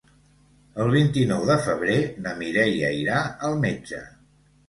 El vint-i-nou de febrer na Mireia irà al metge.